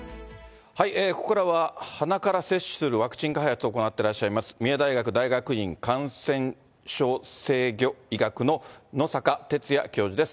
ここからは、鼻から接種するワクチン開発を行ってらっしゃいます、三重大学大学院感染症制御医学の野阪哲哉教授です。